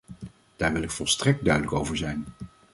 Daar wil ik volstrekt duidelijk over zijn.